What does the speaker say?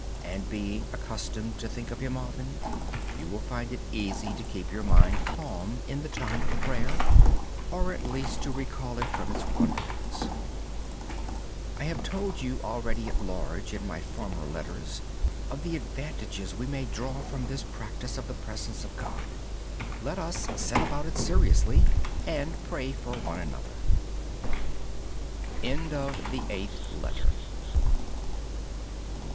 Then being accustomed to think of Him often, you will find it easy to keep your mind calm in the time of prayer, or at least to recall it from its wanderings. I have told you already of the advantages we may draw from this practice of the presence of God. Let us set about it seriously and pray for one another.